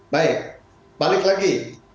baik balik lagi